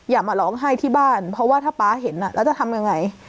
อย่ามาร้องไห้ที่บ้านเพราะว่าถ้าป๊าเห็นแล้วจะทำยังไง